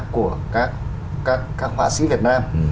của các họa sĩ việt nam